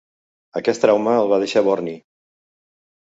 Aquest trauma el va deixar borni.